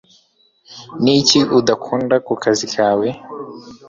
Ni iki udakunda ku kazi kawe